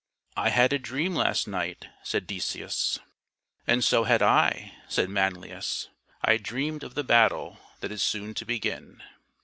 " I had a dream last night," said Decius. " And so had I," said Manlius. " I dreamed of the battle that is soon to begin."